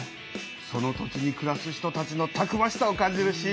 その土地にくらす人たちのたくましさを感じるＣＭだね！